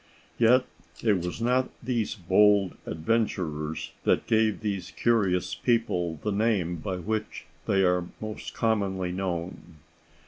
Yet it was not these bold adventurers that gave these curious people the name by which they are most commonly known.